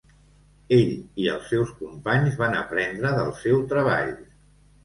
Ell i els seus companys van aprendre del seu treball.